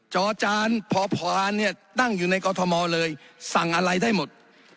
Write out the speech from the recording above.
จอจานพอพรานนั่งอยู่ในกฏธมอร์เลยสั่งอะไรได้หมด